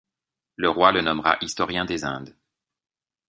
Le Roi le nommera historien des Indes.